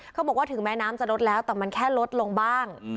เขาบอกว่าถึงแม้น้ำจะลดแล้วแต่มันแค่ลดลงบ้าง